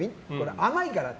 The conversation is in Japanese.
甘いからって。